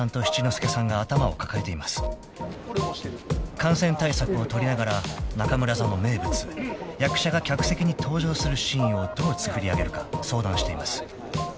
［感染対策をとりながら中村座の名物役者が客席に登場するシーンをどうつくり上げるか相談しています］